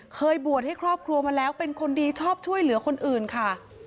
เคยบวชให้ครอบครัวมาแล้วเป็นคนดีชอบช่วยเหลือคนอื่นค่ะ